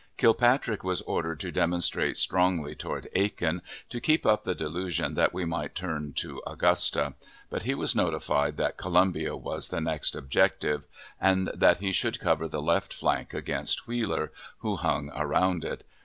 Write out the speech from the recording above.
Kilpatrick was ordered to demonstrate strongly toward Aiken, to keep up the delusion that we might turn to Augusta; but he was notified that Columbia was the next objective, and that he should cover the left flank against Wheeler, who hung around it.